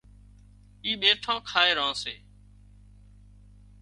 اِي ٻيٺان کائي ران سي